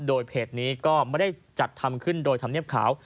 โดยเพจนี้ก็ไม่ได้จัดทำขึ้นโดยธรรมเนียบขาว